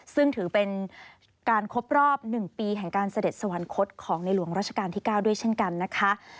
ซึ่งถือเป็นการครบรอบ๑ปีแห่งการเสด็จสวรรคตของในหลวงราชการที่๙ด้วยเช่นกันนะคะ